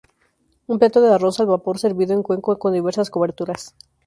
Un plato de arroz al vapor servido en cuenco con diversas coberturas.